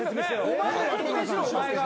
・お前が説明しろお前が。